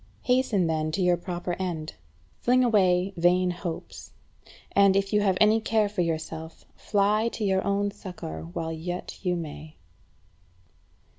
Hasten then to your proper end. Fling away vain hopes, and, if you have any care for yourself, fly to your own succour while yet you may.